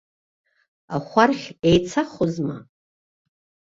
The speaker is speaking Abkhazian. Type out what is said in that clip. Ахәархь еицахозма?